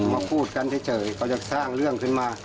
มาพูดกันให้เจอก็จะสร้างเรื่องขึ้นมา